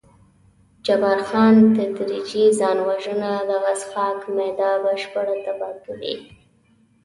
جبار خان: تدریجي ځان وژنه، دغه څښاک معده بشپړه تباه کوي.